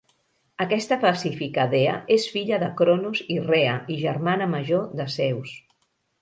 Aquesta pacífica dea és filla de Cronos i Rea i germana major de Zeus.